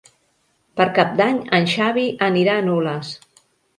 Per Cap d'Any en Xavi anirà a Nules.